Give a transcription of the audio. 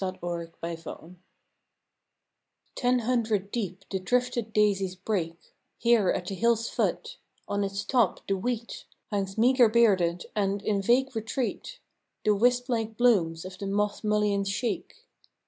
THE HILLSIDE GRAVE Ten hundred deep the drifted daisies break Here at the hill's foot; on its top, the wheat Hangs meagre bearded; and, in vague retreat, The wisp like blooms of the moth mulleins shake.